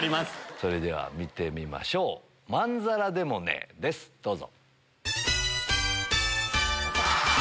それでは見てみましょう「まんざらでもねぇ」ですどうぞ。